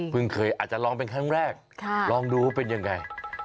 เคยอาจจะลองเป็นครั้งแรกลองดูว่าเป็นยังไง